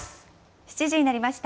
７時になりました。